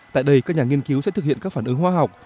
tại đây các nhà nghiên cứu sẽ thực hiện các phản ứng hoa học